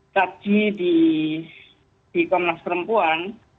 tadi di komnas perempuan